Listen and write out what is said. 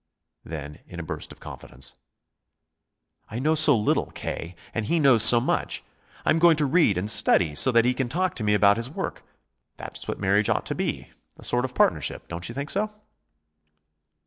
Then, in a burst of confidence: "I know so little, K., and he knows so much! I am going to read and study, so that he can talk to me about his work. That's what marriage ought to be, a sort of partnership. Don't you think so?"